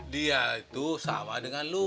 dia itu sama dengan lu